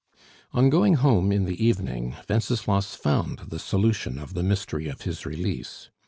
On going home in the evening, Wenceslas found the solution of the mystery of his release.